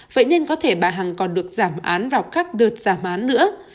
vậy nên có thể bà hằng còn được giảm án vào các đợt giảm án nữa